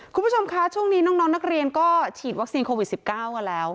คุณผู้ชมคะช่วงนี้น้องนักเรียนก็ฉีดวัคซีนโควิด๑๙กันแล้ว